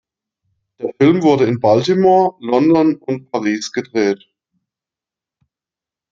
Der Film wurde in Baltimore, London und Paris gedreht.